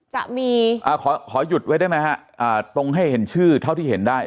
จะมีอ่าขอหยุดไว้ได้ไหมฮะอ่าตรงให้เห็นชื่อเท่าที่เห็นได้